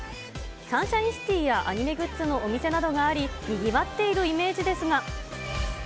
サンシャインシティやアニメグッズのお店などがあり、にぎわっているイメージですが。